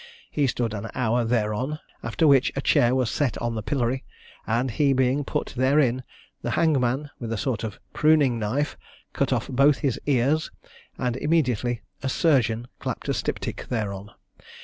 He stood an hour thereon; after which a chair was set on the pillory; and he being put therein, the hangman with a sort of pruning knife cut off both his ears, and immediately a surgeon clapped a styptic thereon.